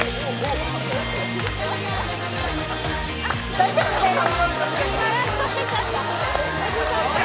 大丈夫です。